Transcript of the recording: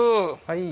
はい。